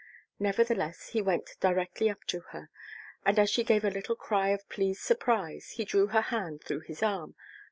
Nevertheless, he went directly up to her, and as she gave a little cry of pleased surprise, he drew her hand through his arm.